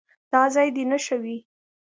دا ځای دې نښه وي.